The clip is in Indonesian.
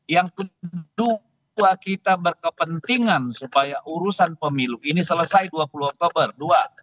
yang kedua kita berkepentingan supaya urusan pemilu ini selesai dua puluh oktober dua ribu dua puluh